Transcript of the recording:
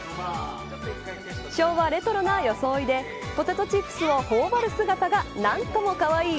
昭和レトロな装いでポテトチップスを頬張る姿が何ともかわいい